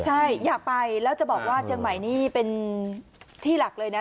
ใช่อยากไปแล้วจะบอกว่าเชียงใหม่นี่เป็นที่หลักเลยนะ